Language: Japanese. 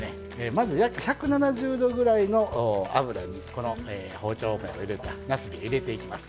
まず約１７０℃ぐらいの油にこの包丁目を入れたなすびを入れていきます。